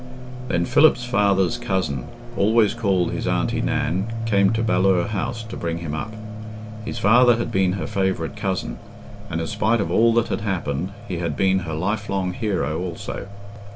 Then Philip's father's cousin, always called his Aunty Nan, came to Ballure House to bring him up. His father had been her favourite cousin, and, in spite of all that had happened, he had been her lifelong hero also.